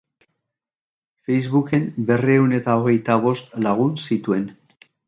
Facebooken berrehun eta hogeita bost lagun zituen.